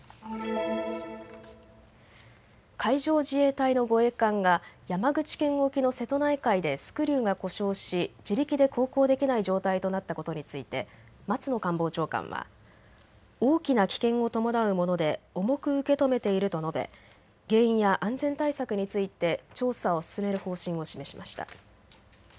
海上自衛隊の護衛艦が山口県沖の瀬戸内海でスクリューが故障し自力で航行できない状態となったことについて松野官房長官は大きな危険を伴うもので重く受け止めていると述べ、原因や安全対策について調査を進める方針を示しました。